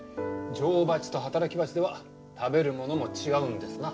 女王蜂と働き蜂では食べるものも違うんですな。